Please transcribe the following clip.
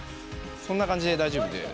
そんな感じで大丈夫です。